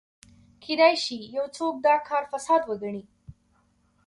کېدای شي یو څوک دا کار فساد وګڼي.